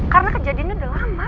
karena kejadiannya udah lama